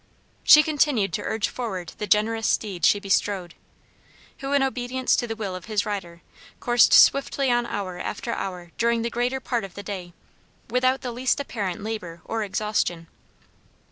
She continued to urge forward the generous steed she bestrode, who, in obedience to the will of his rider, coursed swiftly on hour after hour during the greater part of the day, without the least apparent labor or exhaustion.